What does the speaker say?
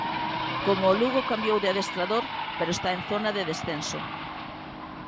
Como o Lugo cambiou de adestrador, pero está en zona de descenso.